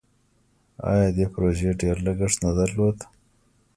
آیا دې پروژې ډیر لګښت نه درلود؟